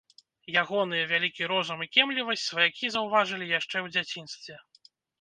Ягоныя вялікі розум і кемлівасць сваякі заўважылі яшчэ ў дзяцінстве.